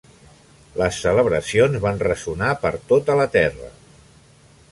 Les celebracions van ressonar per tota la terra.